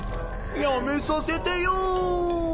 やめさせてよ。